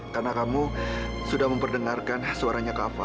karena kamu sudah memperdengarkan suaranya kava